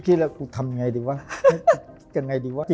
คิดแล้วทำยังไงดีกว่า